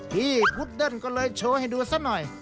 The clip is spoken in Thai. พี่พุทธเดินก็เลยโชว์ให้ดูสักหน่อย